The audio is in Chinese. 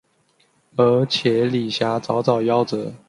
而且李遐早早夭折。